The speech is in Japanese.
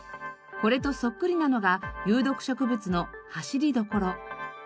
これとそっくりなのが有毒植物のハシリドコロ。